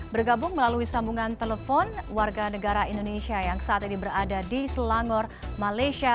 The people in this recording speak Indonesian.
bergabung melalui sambungan telepon warga negara indonesia yang saat ini berada di selangor malaysia